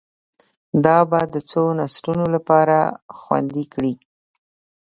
دا به د څو نسلونو لپاره خوندي کړي